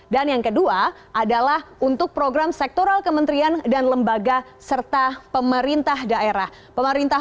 dan yang kedua adalah untuk program sektoral kementerian dan lembaga serta pemerintah daerah